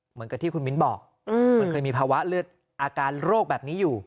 เหมือนกับที่คุณมิ้นบอกมันเคยมีภาวะเลือดอาการโรคแบบนี้อยู่